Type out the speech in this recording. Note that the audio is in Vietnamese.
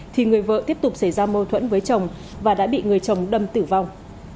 thì người vợ tiếp tục xảy ra mâu thuẫn với chồng và đã bị người chồng đâm tử vong